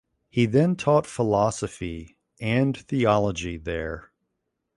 He then taught philosophy and theology there.